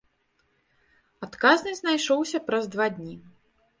Адказны знайшоўся праз два дні.